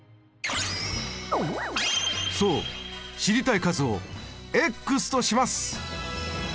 そう知りたい数をとします。